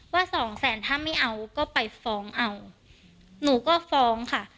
สองแสนถ้าไม่เอาก็ไปฟ้องเอาหนูก็ฟ้องค่ะ